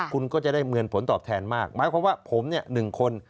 คุณก็จะได้เงินผลตอบแทนมากหมายความว่าผมเนี่ย๑คน